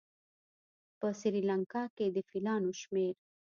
په سریلانکا کې د فیلانو شمېر